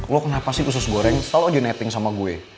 lo kenapa sih usus goreng setelah lo aja netting sama gue